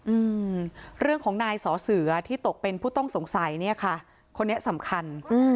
อืมเรื่องของนายสอเสือที่ตกเป็นผู้ต้องสงสัยเนี้ยค่ะคนนี้สำคัญอืม